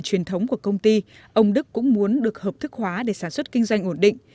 công đức cũng muốn được hợp thức hóa để sản xuất kinh doanh ổn định